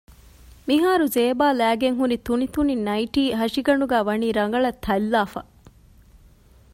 މިހާރު ޒޭބާ ލައިގެންހުރި ތުނިތުނި ނައިޓީ ހަށިގަނޑުގައި ވަނީ ރަނގަޅަށް ތަތްލާފަ